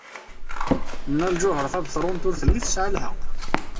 Nna Lǧuheṛ Tabetṛunt ur telli tesɛa lḥeqq.